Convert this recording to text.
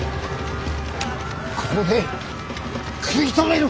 ここで食い止める！